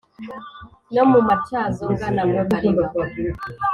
no mu matyazo ngana mu kaliba